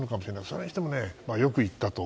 それにしてもよく言ったと。